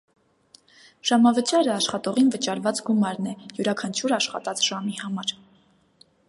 Ժամավճարը աշխատողին վճարվող գումարն է յուրաքանչյուր աշխատած ժամի համար։